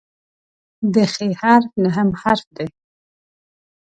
د "خ" حرف نهم حرف دی.